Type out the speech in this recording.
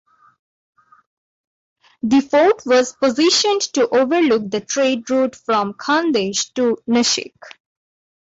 The fort was positioned to overlook the trade route from Khandesh to Nashik.